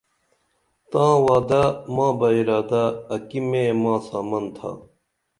تاں وعدہ ماں بہ ارادہ اکی مے ماں سامن تھا